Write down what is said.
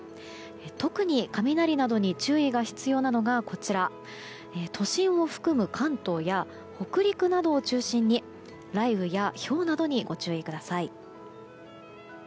特に、雷などに注意が必要なのが都心を含む関東や北陸などを中心に雷雨やひょうなどにご注意ください。